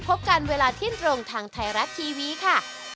พบกันเวลาเที่ยงตรงทางไทยรัฐทีวีค่ะ